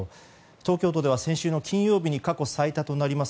東京都では、先週の金曜日に過去最多となります